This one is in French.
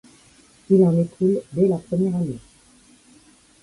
Il en écoule dès la première année.